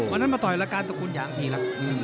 วันนั้นมาต่อยละการตกคุณหยางทีแล้ว